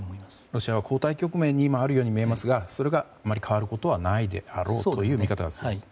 ロシアは後退局面にあるように思いますがそれが変わることはあまりないであろうという見方。